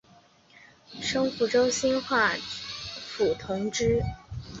升福建兴化府同知。